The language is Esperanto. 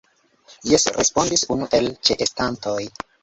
Jes, respondis unu el ĉeestantoj.